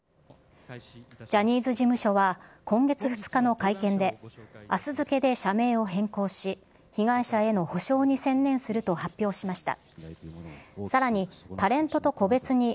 ジャニーズ事務所は今月２日の会見で、あす付けで社名を変更し、被害者への補償に専念すると発表しました。